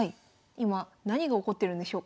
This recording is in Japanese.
今何が起こってるんでしょうか？